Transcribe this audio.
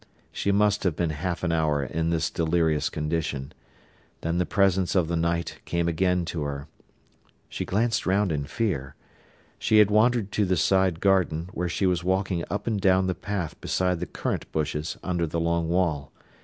She must have been half an hour in this delirious condition. Then the presence of the night came again to her. She glanced round in fear. She had wandered to the side garden, where she was walking up and down the path beside the currant bushes under the long wall.